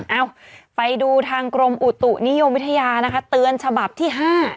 เอ้าไปดูทางกรมอุตุนิยมวิทยานะคะเตือนฉบับที่๕